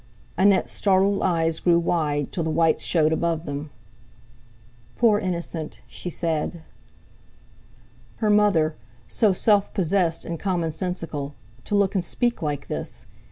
Annette's startled eyes grew wide, till the whites showed above them. "Poor innocent!" she said. Her mother—so self possessed, and commonsensical—to look and speak like this!